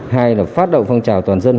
hai là phát động phong trào toàn dân